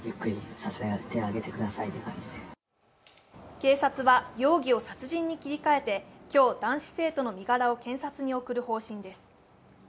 警察は容疑を殺人に切り替えて今日、男子生徒の身柄を検察に送る方針です。